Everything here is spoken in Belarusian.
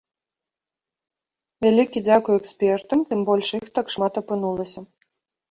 Вялікі дзякуй экспертам, тым больш іх так шмат апынулася.